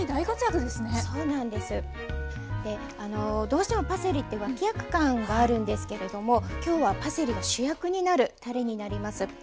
どうしてもパセリって脇役感があるんですけれども今日はパセリが主役になるたれになります。